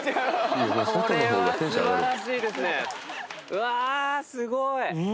うわすごい！